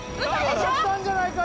当たったんじゃないか？